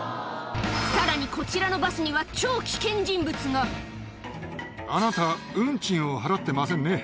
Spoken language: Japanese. さらにこちらのバスには、超危険あなた、運賃を払ってませんね。